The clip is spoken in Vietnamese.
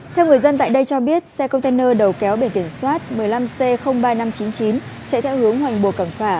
theo người dân tại đây cho biết xe container đầu kéo biển kiểm soát một mươi năm c ba nghìn năm trăm chín mươi chín chạy theo hướng hoành buộc cảm phả